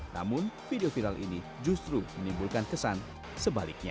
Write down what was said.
namun video viral ini justru menimbulkan kesan sebaliknya